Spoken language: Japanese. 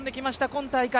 今大会。